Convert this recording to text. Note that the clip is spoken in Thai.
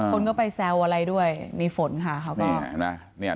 คนก็ไปแซวอะไรด้วยในฝนค่ะเขาก็นี่เห็นไหมเนี่ย